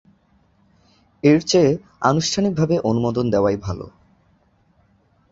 এর চেয়ে আনুষ্ঠানিকভাবে অনুমোদন দেওয়াই ভালো।